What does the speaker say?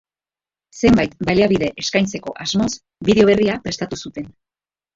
Zenbait baliabide eskaintzeko asmoz, bideo berria prestatu zuten.